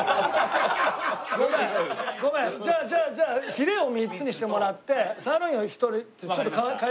ごめんじゃあじゃあヒレを３つにしてもらってサーロインを１人ちょっと変えていいですか？